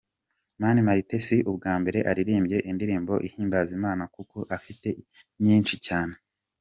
Mani Martin si ubwa mbere aririmbye indirimbo ihimbaza Imana kuko afite nyinshi cyane.